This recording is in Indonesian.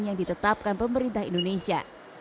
yang ditetapkan pemerintah indonesia